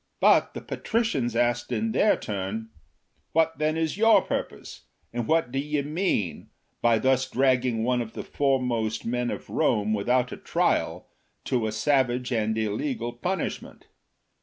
But the patricians asked in their turn: " What then is your purpose, and what do ye mean, by thus dragging one of the foremost men of Rome, without a trial, to a savage and illegal punishment